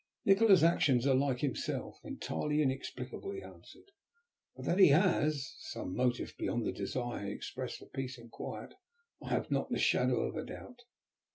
"Nikola's actions are like himself, entirely inexplicable," he answered. "But that he has some motive beyond the desire he expressed for peace and quiet, I have not the shadow of a doubt."